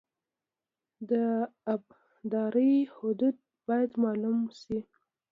د ابدارۍ حدود باید معلوم شي